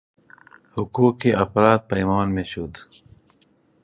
حقوق افراد پایمال میشد.